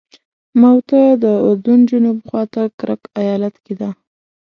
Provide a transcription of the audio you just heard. موته د اردن جنوب خواته کرک ایالت کې ده.